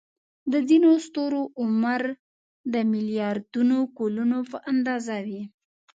د ځینو ستورو عمر د ملیاردونو کلونو په اندازه وي.